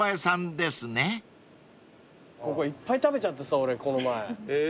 ここいっぱい食べちゃってさ俺この前。